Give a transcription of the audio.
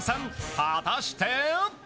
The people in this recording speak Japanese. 果たして。